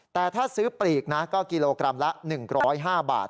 แต่ถ้าซื้อปลีกนะก็กิโลกรัมละ๑๐๕บาท